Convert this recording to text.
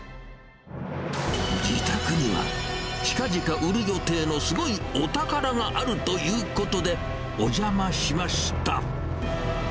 自宅には、近々売る予定のすごいお宝があるということで、お邪魔しました。